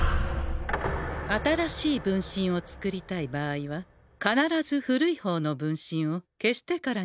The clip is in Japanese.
新しい分身を作りたい場合は必ず古い方の分身を消してからにしてくださんせ。